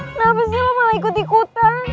kenapa sih lo malah ikut ikutan